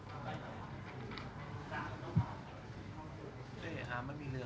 ข้างข้างไม่ได้ข้างข้างไม่ได้